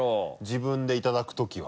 自分でいただくときは。